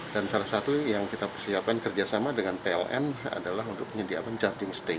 dan salah satu yang kita persiapkan kerjasama dengan ptpln adalah untuk menyediakan charging station